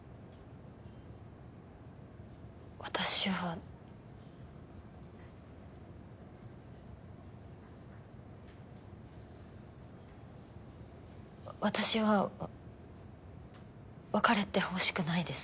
私は私は別れてほしくないです